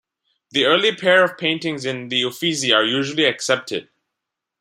The early pair of paintings in the Uffizi are usually accepted.